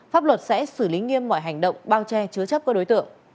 pháp luật sẽ xử lý nghiêm mọi hành động bao che chứa chấp các đối tượng